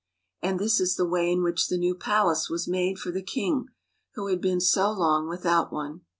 And this is the way in which the new palace was made for the king who had been so long without one.